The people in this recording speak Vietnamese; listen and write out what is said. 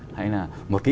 hay là một cái ý kiến